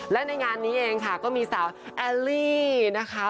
และในงานนี้เองค่ะก็มีสาวแอลลี่นะคะ